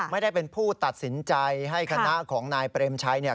ไม่ได้เป็นผู้ตัดสินใจให้คณะของนายเปรมชัยเนี่ย